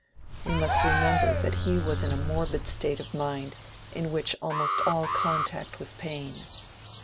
We must remember that he was in a morbid state of mind, in which almost all contact was pain.